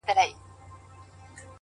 چي د وگړو څه يې ټولي گناه كډه كړې-